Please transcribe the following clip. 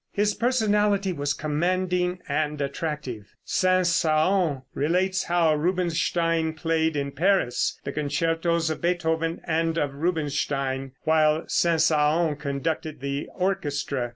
His personality was commanding and attractive. Saint Saëns relates how Rubinstein played in Paris the concertos of Beethoven and of Rubinstein, while Saint Saëns conducted the orchestra.